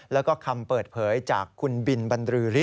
แล้วก็คำเปิดเผยจากคุณบินบรรลือฤท